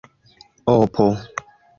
opo